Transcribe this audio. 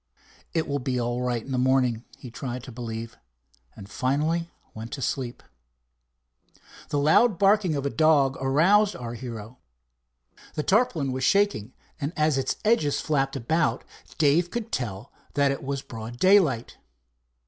"It will be all right in the morning," he tried to believe, and finally went to sleep. The loud barking of a dog aroused our hero. The tarpaulin was shaking, and as its edges flapped about Dave could tell that it was broad daylight.